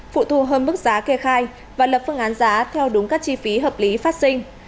phụ thu hơn mức giá kê khai và lập phương án giá theo đúng các chi phí hợp lý phát sinh